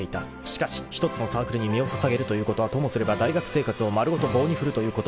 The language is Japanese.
しかし一つのサークルに身を捧げるということはともすれば大学生活を丸ごと棒に振るということにもなりかねない］